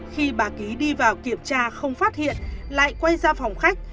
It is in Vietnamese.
khi bà ký đi vào kiểm tra không phát hiện lại quay ra phòng khách